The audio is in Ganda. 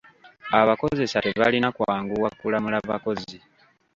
Abakozesa tebalina kwanguwa kulamula bakozi.